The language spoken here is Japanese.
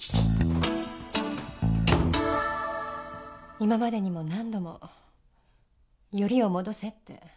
今までにも何度もよりを戻せって。